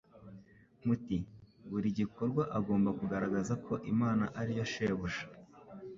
Muti buri gikorwa agomba kugaragaza ko Imana ari yo Shebuja.